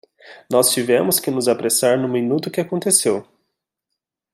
Nós tivemos que nos apressar no minuto que aconteceu!